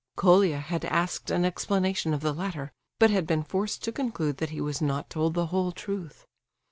Colia had asked an explanation of the latter, but had been forced to conclude that he was not told the whole truth.